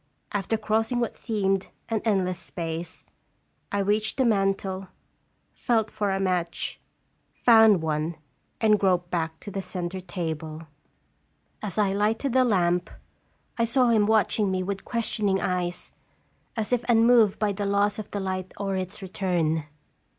After crossing what seemed an endless space, I reached the mantel, felt for a match, found one, and groped back to the centre table. 3io As I lighted the lamp, I saw him watching me with questioning eyes, as if unmoved by the loss of the light or its return.